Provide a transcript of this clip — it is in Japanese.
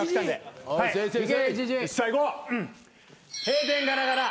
閉店ガラガラ。